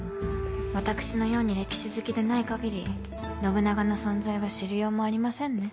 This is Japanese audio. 私のように歴史好きでない限り信長の存在は知りようもありませんね